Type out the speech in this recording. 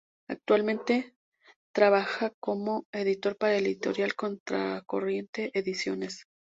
Actualmente trabaja como editor para la editorial Contracorriente Ediciones.